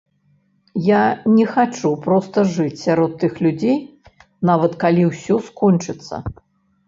Я не хачу проста жыць сярод тых людзей, нават калі ўсё скончыцца.